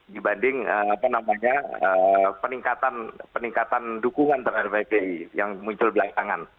dibanding peningkatan dukungan terhadap fpi yang muncul belakangan